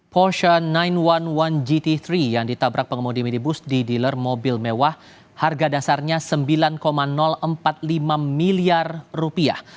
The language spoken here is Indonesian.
possion sembilan gt tiga yang ditabrak pengemudi minibus di dealer mobil mewah harga dasarnya sembilan empat puluh lima miliar rupiah